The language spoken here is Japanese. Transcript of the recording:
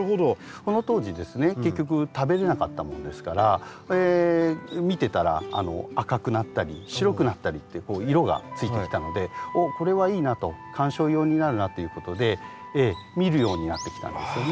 その当時ですね結局食べれなかったものですから見てたら赤くなったり白くなったりってこう色がついてきたので「おっこれはいいな」と「観賞用になるな」ということで見るようになってきたんですよね。